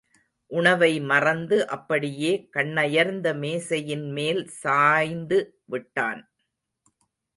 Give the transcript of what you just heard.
உணவை மறந்து அப்படியே கண்ணயர்ந்த மேசையின் மேல் சாய்ந்து விட்டான்.